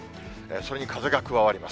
それに風が加わります。